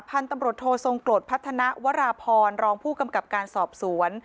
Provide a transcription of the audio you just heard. พันธุ์ตำรวจโททรงกรดพัฒนาวราพรรองผู้กำกับการสอบสวน